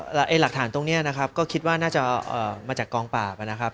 หลักฐานตรงนี้ก็คิดว่าน่าจะมาจากกองปราบ